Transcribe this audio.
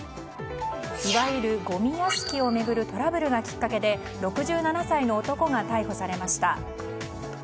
いわゆるごみ屋敷を巡るトラブルがきっかけで６７歳の男が逮捕されました。